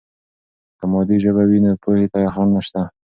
که مادي ژبه وي، نو پوهې ته خنډ نشته.